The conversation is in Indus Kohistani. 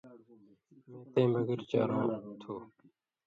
مے تَیں بکرہۡ چارؤں تُھو